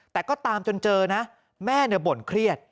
แต่ก็ตามจนเจอนะแม่บ่นเครียด